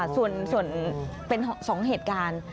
ส่วนเป็น๒เหตุการณ์